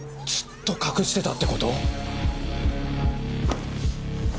ずっと隠してたってこと⁉